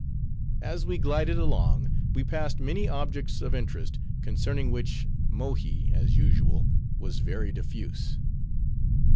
As we glided along, we passed many objects of interest, concerning which, Mohi, as usual, was very diffuse.